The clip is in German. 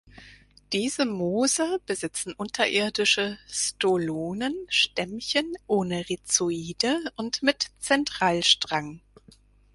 Diese Moose besitzen unterirdische Stolonen, Stämmchen ohne Rhizoide und mit Zentralstrang.